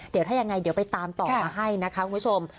เดี๋ยวถ้ายังไงเดี๋ยวไปตามต่อมาให้นะคะคุณผู้ชม